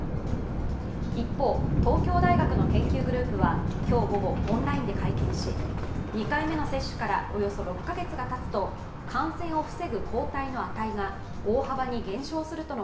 一方、東京大学の研究グループは今日午後オンラインで会見し２回目の接種から、およそ６カ月がたつと感染を防ぐ抗体の値が大幅に減少するとの